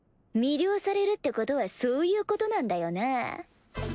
魅了されるってことはそういうことなんだよな？